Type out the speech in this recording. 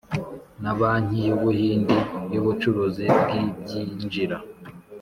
Na banki y ubuhindi y ubucuruzi bw ibyinjira